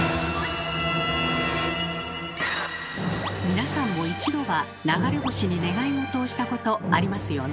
皆さんも一度は流れ星に願いごとをしたことありますよね。